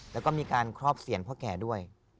แล้วก็มีการครอบเสียรพ่อแก่ด้วย